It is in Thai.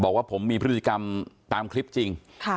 บอกว่าผมมีพฤติกรรมตามคลิปจริง